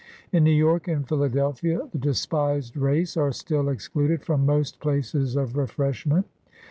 In New York and Philadel phia, the despised race are still excluded from, most places of refreshment.